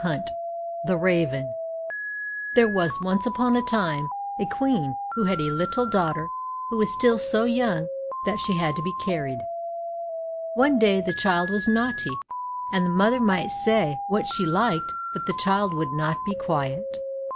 93 The Raven There was once upon a time a Queen who had a little daughter who was still so young that she had to be carried. One day the child was naughty, and the mother might say what she liked, but the child would not be quiet.